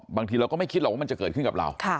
บางทีเราก็ไม่คิดหรอกว่ามันจะเกิดขึ้นกับเรา